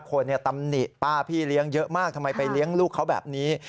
ตำหนิป้าพี่เลี้ยงเยอะมากทำไมไปเลี้ยงลูกเขาแบบนี้